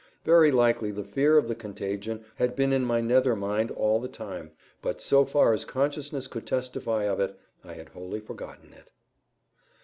Very likely the fear of the contagion had been in my nether mind all the time, but, so far as consciousness could testify of it, I had wholly forgotten it.